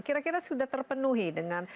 kira kira sudah terpenuhi dengan